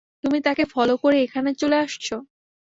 তুমি তাকে ফলো করে এখানে চলে আসছো?